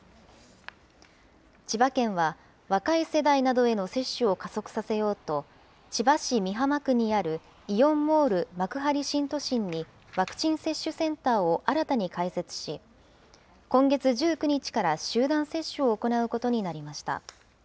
千葉県は、若い世代などへの接種を加速させようと、千葉市美浜区にあるイオンモール幕張新都心にワクチン接種センターを新たに開設し、今月１９日から集団接種を行うことになりました。